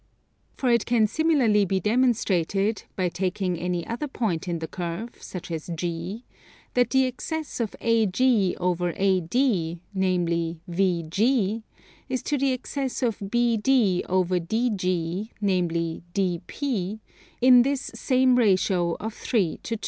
For it can similarly be demonstrated, by taking any other point in the curve, such as G, that the excess of AG over AD, namely VG, is to the excess of BD over DG, namely DP, in this same ratio of 3 to 2.